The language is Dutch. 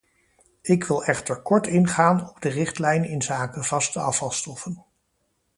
Ik wil echter kort ingaan op de richtlijn inzake vaste afvalstoffen.